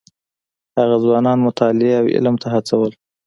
هغه ځوانان مطالعې او علم ته هڅول.